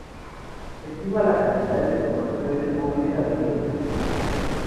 Se estima la cantidad de espermatozoides móviles adheridos entre sí.